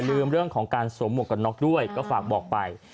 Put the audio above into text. เรื่องของการสวมหมวกกันน็อกด้วยก็ฝากบอกไป